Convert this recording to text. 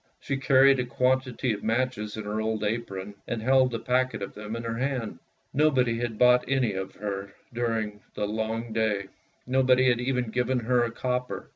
She carried a quantity of matches in her old apron, and held a packet of them in her hand. Nobody had bought any of her during all the long day; nobody had even given her a copper.